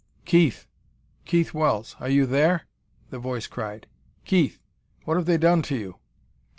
"Keith! Keith Wells! Are you there?" the voice cried. "Keith! What have they done to you?"